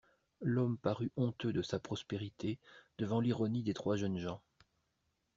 L'homme parut honteux de sa prospérité devant l'ironie des trois jeunes gens.